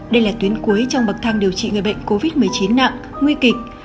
đây là tuyến cuối trong bậc thang điều trị người bệnh covid một mươi chín nặng nguy kịch